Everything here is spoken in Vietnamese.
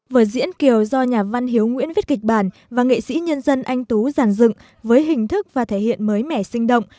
vở diễn kiều do nhà văn hiếu nguyễn viết kịch bản và nghệ sĩ nhân dân anh tú giàn dựng với hình thức và thể hiện mới mẻ sinh động